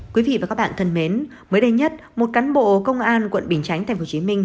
quý vị và các bạn thân mến mới đây nhất một cán bộ công an quận bình chánh tp hcm